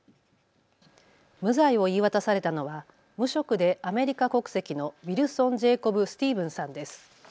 無罪を言い渡されたのは無職でアメリカ国籍のウィルソン・ジェイコブ・スティーブンさんです。